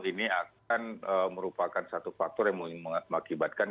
ini akan merupakan satu faktor yang mengakibatkan